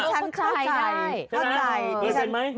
พอใจได้เป็นไหมอ๋อใช่ไหม